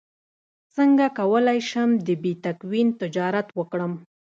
څنګه کولی شم د بیتکوین تجارت وکړم